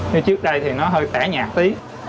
như trước đây thì nó hơi tẻ nhạt tí